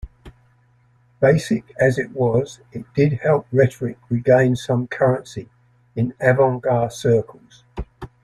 Basic as it was, it did help rhetoric regain some currency in avant-garde circles.